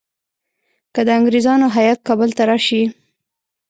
که د انګریزانو هیات کابل ته راشي.